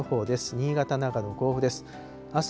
新潟、長野、甲府です。